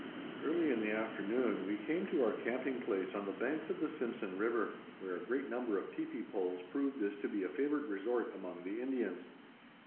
Early in the afternoon we came to our camping place on the banks of the Simpson River, where a great number of teepee poles proved this to be a favorite resort among the Indians.